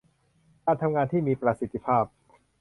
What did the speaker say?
การทำงานที่มีประสิทธิภาพ